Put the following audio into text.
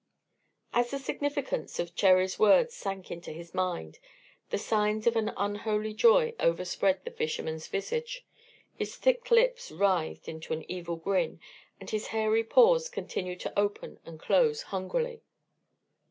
As the significance of Cherry's words sank into his mind, the signs of an unholy joy overspread the fisherman's visage; his thick lips writhed into an evil grin, and his hairy paws continued to open and close hungrily.